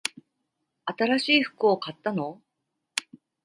新しい服を買ったの？